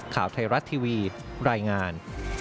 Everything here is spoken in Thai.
ข่าวไทยรัฐทีวีรายงาน